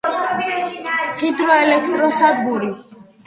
ჰიდრო ელექტრო სადგური